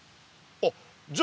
あっじゃ